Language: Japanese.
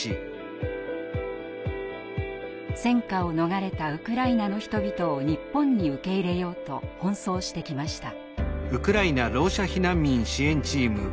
戦禍を逃れたウクライナの人々を日本に受け入れようと奔走してきました。